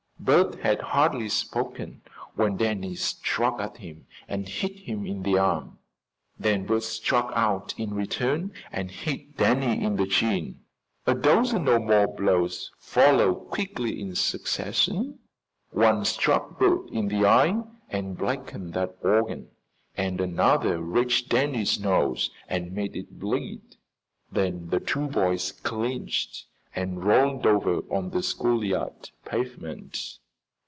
Bert had hardly spoken when Danny struck at him and hit him in the arm. Then Bert struck out in return and hit Danny in the chin. A dozen or more blows followed in quick succession. One struck Bert in the eye and blackened that organ, and another reached Danny's nose and made it bleed. Then the two boys clinched and rolled over on the schoolyard pavement.